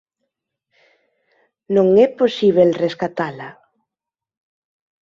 Non é posíbel rescatala;